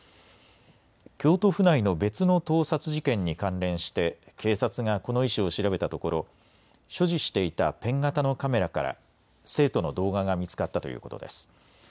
京都府内の別の盗撮事件に関連して警察がこの医師を調べたところ所持していたペン型のカメラから生徒の動画が見つかったということです。